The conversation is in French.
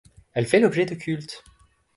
Elle fait l'objet de cultes.